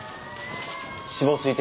死亡推定